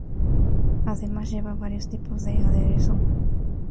Además lleva varios tipos de aderezo.